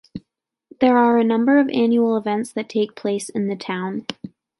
There are a number of annual events that take place in the town.